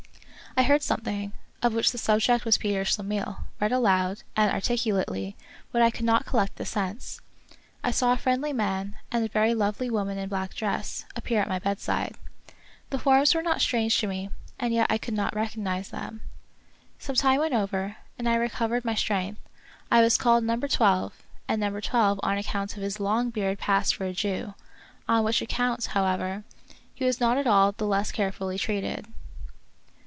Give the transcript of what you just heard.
I heard something, of which the subject was Peter Schlemihl, read aloud, and articulately, but I could not collect the sense. I saw a friendly man, and a very lovely woman in black dress, ap pear at my bedside. The forms were not strange to me, and yet I could not recognize them. Some time went over, and I recovered my strength. I was called Number Twelve^ and Number Twelve on account of his long beard passed for a Jew; on which account, however, he was not at all the less carefully treated.